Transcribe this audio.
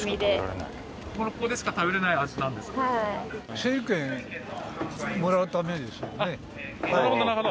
整理券もらうためですよね。